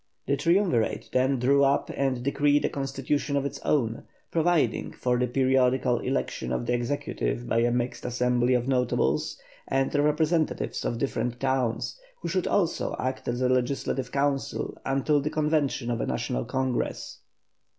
The Triumvirate then drew up and decreed a constitution of its own, providing for the periodical election of the Executive by a mixed assembly of notables and of representatives of different towns, who should also act as a legislative council until the convention of a National Congress.